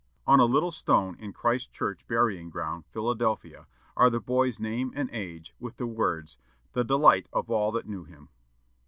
On a little stone in Christ Church burying ground, Philadelphia, are the boy's name and age, with the words, "The delight of all that knew him."